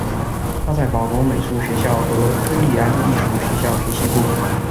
他在法国美术学校和朱利安艺术学校学习过。